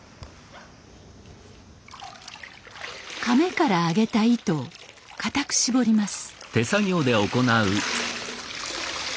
甕から上げた糸を固く絞ります。